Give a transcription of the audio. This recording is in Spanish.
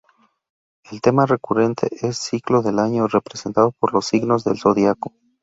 El tema recurrente es "Ciclo del Año" representado por los signos del Zodiaco.